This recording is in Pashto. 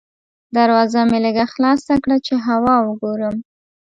دروازه مې لږه خلاصه کړه چې هوا وګورم.